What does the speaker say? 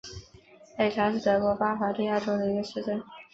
赖沙是德国巴伐利亚州的一个市镇。